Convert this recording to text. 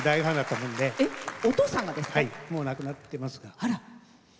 もう亡くなってますが。